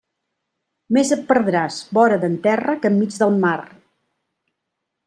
Més et perdràs vora d'en terra que enmig d'en mar.